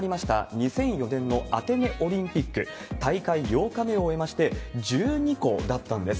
２００４年のアテネオリンピック、大会８日目を終えまして、１２個だったんです。